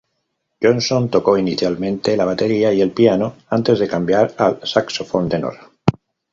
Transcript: Johnson tocó inicialmente la batería y el piano antes de cambiar al saxofón tenor.